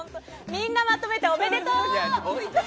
みんなまとめておめでとう！